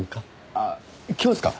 あ今日ですか？